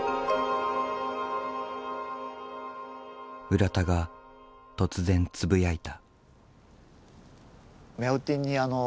浦田が突然つぶやいた。